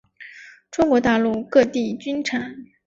中国大陆各地均产。